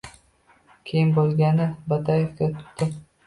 Keyin bolg‘ani Bo‘taevga tutdim.